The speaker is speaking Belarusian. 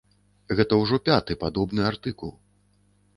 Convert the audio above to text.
Гэта ўжо пяты падобны артыкул.